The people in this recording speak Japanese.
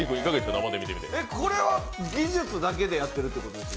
これは技術だけでやっているということですか？